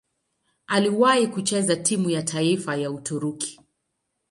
Aliwahi kucheza timu ya taifa ya Uturuki.